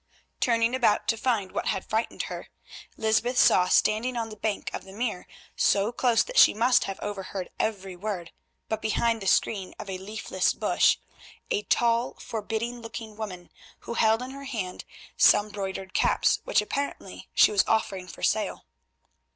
Turning about to find what had frightened her, Lysbeth saw standing on the bank of the mere, so close that she must have overheard every word, but behind the screen of a leafless bush, a tall, forbidding looking woman, who held in her hand some broidered caps which apparently she was offering for sale.